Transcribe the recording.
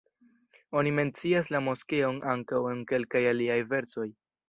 Oni mencias la moskeon ankaŭ en kelkaj aliaj versoj.